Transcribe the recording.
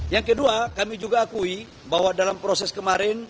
yang kedua kami juga akui bahwa dalam proses kemarin